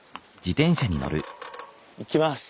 行きます。